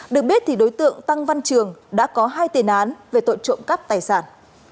được biết thì đối tượng tăng văn trường đã có hai tiền án về tội trộm cắp tài sản